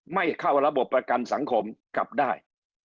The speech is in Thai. ไม่เข้าระบบประกันสังคมกลับได้